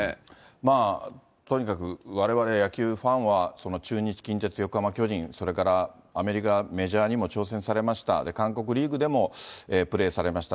まあとにかくわれわれ野球ファンは中日、近鉄、横浜、巨人、それからアメリカ、メジャーにも挑戦されました、韓国リーグでもプレーされました。